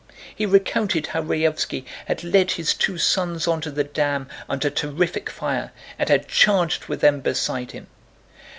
He recounted how Raévski had led his two sons onto the dam under terrific fire and had charged with them beside him.